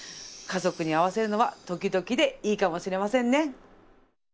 家族に合わせるのは時々でいいかもしれませんね。